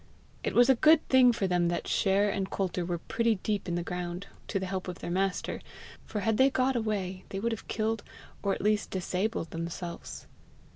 It was a good thing for them that share and coulter were pretty deep in the ground, to the help of their master; for had they got away, they would have killed, or at least disabled themselves.